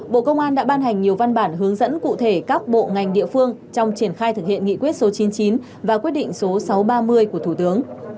bộ công an đã ban hành nhiều văn bản hướng dẫn cụ thể các bộ ngành địa phương trong triển khai thực hiện nghị quyết số chín mươi chín và quyết định số sáu trăm ba mươi của thủ tướng